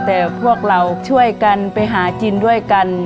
แต่พวกเราช่วยกันไปหากินด้วยกัน